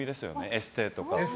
エステとか。